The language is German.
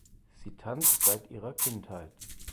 Sie tanzt seit ihrer Kindheit.